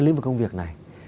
lĩnh vực công việc này